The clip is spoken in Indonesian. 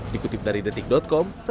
dikutip dari detik com